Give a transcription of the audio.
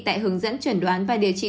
tại hướng dẫn chuẩn đoán và điều trị